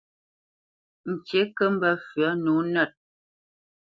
Ŋkǐ kǝ́ mbǝ́ fywǝ̂ nǒ nǝt.